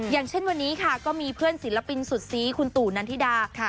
อย่างเช่นวันนี้ค่ะก็มีเพื่อนศิลปินสุดซีคุณตู่นันทิดา